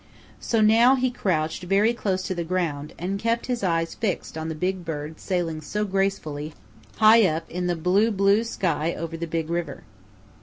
So now he crouched very close to the ground and kept his eyes fixed on the big bird sailing so gracefully high up in the blue, blue sky over the Big River.